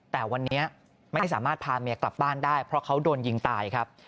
แต่วันนี้ไม่ได้สามารถพาเมียกลับบ้านได้เพราะเขาโดนยิงตายครับ